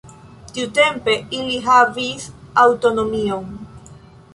Tiutempe ili havis aŭtonomion.